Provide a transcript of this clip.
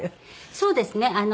そうですね。